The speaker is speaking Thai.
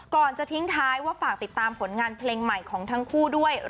ก่อนจะทิ้งท้ายว่าฝากติดตามผลงานเพลงใหม่ของทั้งคู่ด้วย